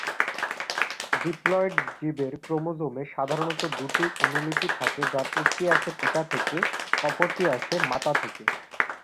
Diploid জীবের ক্রোমোজোমে সাধারণত দুটি অনুলিপি থাকে যার একটি আসে পিতা থেকে, অপরটি আসে মাতা থেকে।